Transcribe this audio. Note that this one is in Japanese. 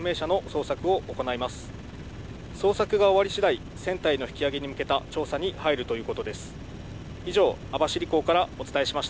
捜索が終わりしだい、船体の引き揚げに向けた調査に入るということです。